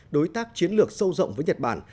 đối tác chiến lược sâu rộng với nhật bản